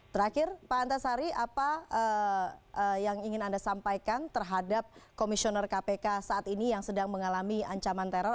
terakhir pak antasari apa yang ingin anda sampaikan terhadap komisioner kpk saat ini yang sedang mengalami ancaman teror